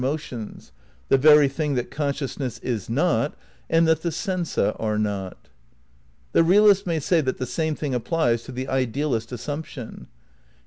VIII RECONSTRUCTION OF IDEALISM 267 the very thing that oonsoiousness is not and that the sensa are not. The realist may say that the same thing applies to the idealist assuinption.